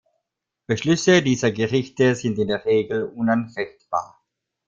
Beschlüsse dieser Gerichte sind in der Regel unanfechtbar.